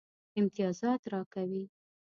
امتیازات راکوي.